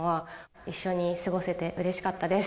一緒に過ごせてうれしかったです。